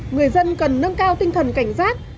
người dân cần nâng cao tinh thần cảnh giác